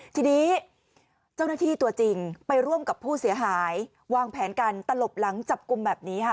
ทีนี้เจ้าหน้าที่ตัวจริงไปร่วมกับผู้เสียหายวางแผนกันตลบหลังจับกลุ่มแบบนี้ค่ะ